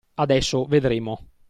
Adesso, vedremo.